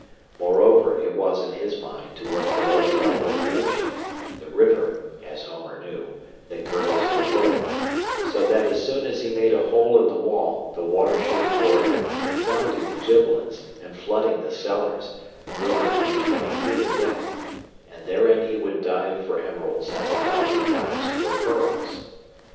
Moreover, it was in his mind to work below the level of the ocean, the river (as Homer knew) that girdles the world, so that as soon as he made a hole in the wall the water should pour in, confounding the Gibbelins, and flooding the cellars, rumoured to be twenty feet in depth, and therein he would dive for emeralds as a diver dives for pearls.